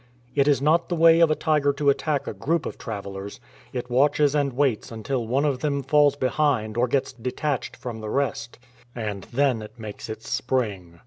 It is not the way of a tiger to attack a group of travellers. It watches and waits until one of them falls behind or gets detached from the rest, and then it makes its spring.